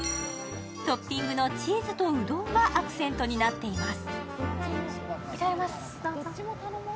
トッピングのチーズとうどんがアクセントになっています。